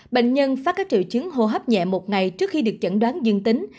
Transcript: bệnh nhân phát các triệu chứng hô hấp nhẹ một ngày trước khi được chẩn đoán dương tính